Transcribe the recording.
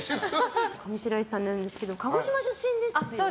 上白石さんなんですけど鹿児島出身ですよね。